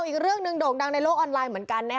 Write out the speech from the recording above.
อีกเรื่องหนึ่งโด่งดังในโลกออนไลน์เหมือนกัน